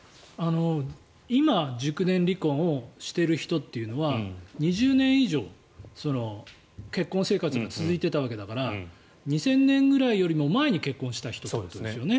今、熟年離婚をしている人というのは２０年以上結婚生活が続いていたわけだから２０００年ぐらいよりも前に結婚した人ということですよね。